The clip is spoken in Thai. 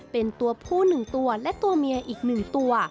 เป็นตัวผู้๑ตัวและตัวเมียอีก๑ตัว